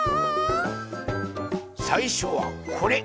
さいしょはこれ。